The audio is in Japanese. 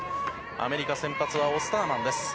アメリカ、先発はオスターマンです。